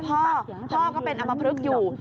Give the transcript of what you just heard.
พ่อก็เป็นอำมพลฤกษ์อยู่